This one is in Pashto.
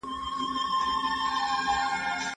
هغه څوک چي سندري اوري خوشاله وي؟!